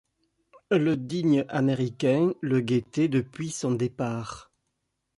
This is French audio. Le digne Américain le guettait depuis son départ.